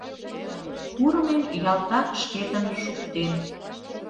Курымем ялтак шкетын шуктем.